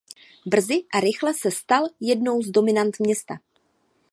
Brzy a rychle se stal jednou z dominant města.